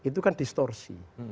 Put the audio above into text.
itu kan distorsi